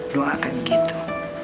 lu akan begitu